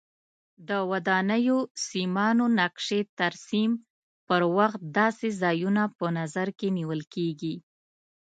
د ودانیو سیمانو نقشې ترسیم پر وخت داسې ځایونه په نظر کې نیول کېږي.